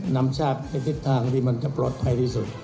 นำทราบในทิศทางที่มันจะปลอดภัยที่สุด